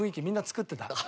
みんな作ってた。